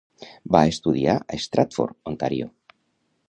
Va estudiar a Stratford, Ontario.